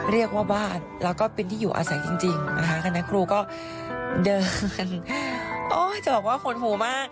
เรียกว่าบ้านแล้วก็เป็นที่อยู่อาศัยจริงนะคะคณะครูก็เดินจะบอกว่าหดหูมาก